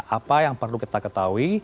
apa yang perlu kita ketahui